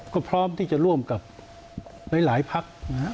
ก็พร้อมที่จะร่วมกับหลายภาค